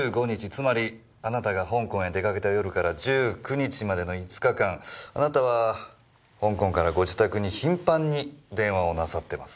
つまりあなたが香港へ出かけた夜から１９日までの５日間あなたは香港からご自宅に頻繁に電話をなさってます。